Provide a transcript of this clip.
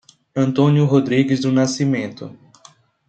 Antônio Rodrigues do Nascimento